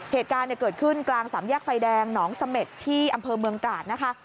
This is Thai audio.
เหตุการณ์เกิดขึ้นกลางสามแยกไฟแดงหนองเสม็ดที่อำเภอเมืองตราดนะคะ